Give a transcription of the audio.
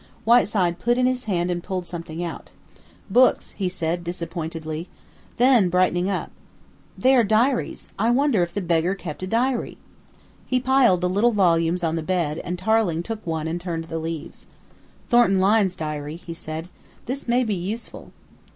Whiteside put in his hand and pulled something out. "Books," he said disappointedly. Then, brightening up. "They are diaries; I wonder if the beggar kept a diary?" He piled the little volumes on the bed and Tarling took one and turned the leaves. "Thornton Lyne's diary," he said. "This may be useful."